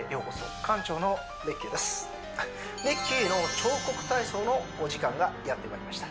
ＲＩＣＫＥＹの彫刻体操のお時間がやってまいりました